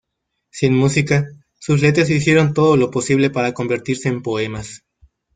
Sin música, sus letras hicieron todo lo posible para convertirse en poemas.